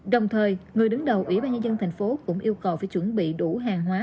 đồng thời người đứng đầu ủy ban nhân dân thành phố cũng yêu cầu phải chuẩn bị đủ hàng hóa